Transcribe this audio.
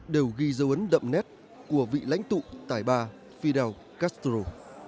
đều ghi dấu ấn đậm nét của vị lãnh tụ tài bà fidel castro